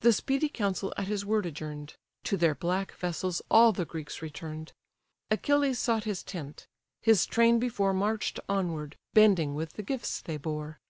The speedy council at his word adjourn'd: To their black vessels all the Greeks return'd. Achilles sought his tent. His train before March'd onward, bending with the gifts they bore.